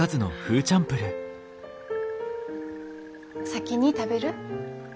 先に食べる？